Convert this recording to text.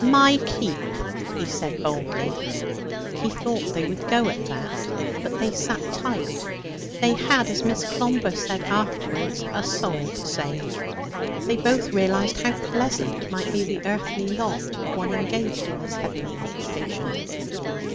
'My keep,' he said baldly. He thought they would go at that. But they sat tight. They had, as Miss Clomber said afterwards, a soul to save. They both realized how pleasant might be the earthly lot of one engaged in this heavenly occupation.